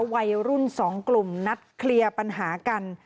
วัยรุ่น๒กลุ่มนัดเคลียร์ปัญหากัน